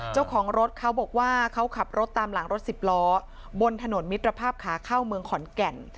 เจ้าของรถเขาบอกว่าเขาขับรถตามหลังรถสิบล้อบนถนนมิตรภาพขาเข้าเมืองขอนแก่น